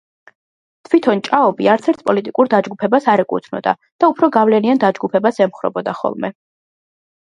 თვითონ „ჭაობი“ არცერთ პოლიტიკურ დაჯგუფებას არ ეკუთვნოდა და უფრო გავლენიან დაჯგუფებას ემხრობოდა ხოლმე.